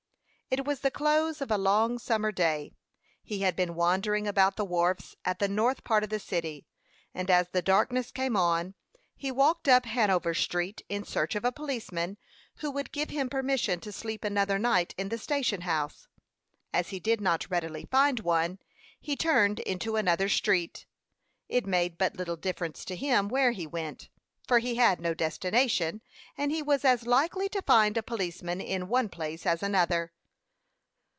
It was the close of a long summer day. He had been wandering about the wharves at the north part of the city; and as the darkness came on, he walked up Hanover Street in search of a policeman, who would give him permission to sleep another night in the station house. As he did not readily find one, he turned into another street. It made but little difference to him where he went, for he had no destination, and he was as likely to find a policeman in one place as another.